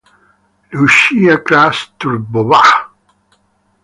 Lucia Krč-Turbová